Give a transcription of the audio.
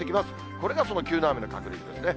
これが急な雨の確率ですね。